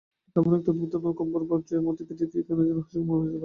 কেমন একটা অদ্ভুত অনুকম্পার ভাব জয়ার, মতিকে দেখিয়া তার যেন হাস্যকর মনে হইতেছিল!